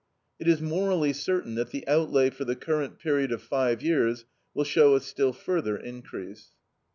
It is morally certain that the outlay for the current period of five years will show a still further increase.